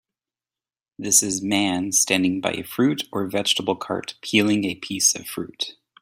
This is man standing by a fruit or vegetable cart peeling a piece of fruit